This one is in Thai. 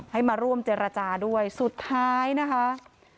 ให้มาร่วมเจรจาด้วยสุดท้ายนะคะ